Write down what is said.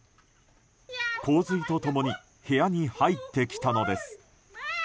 洪水と共に部屋に入ってきたのです。